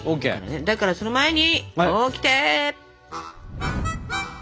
だからその前にオキテ！